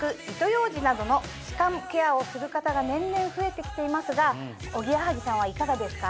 ようじなどの歯間ケアをする方が年々増えてきていますがおぎやはぎさんはいかがですか？